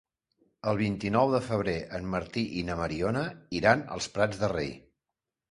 El vint-i-nou de febrer en Martí i na Mariona iran als Prats de Rei.